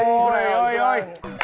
おいおい！